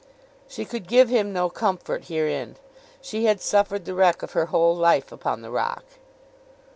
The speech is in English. She could give him no comfort herein. She had suffered the wreck of her whole life upon the rock.